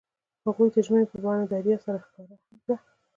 هغوی د ژمنې په بڼه دریا سره ښکاره هم کړه.